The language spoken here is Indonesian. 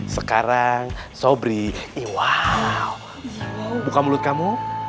sekarang sobri iwaw buka mulut kamu